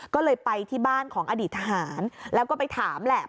ก็เลยไปที่บ้านของอดีตทหารแล้วก็ไปถามแหละ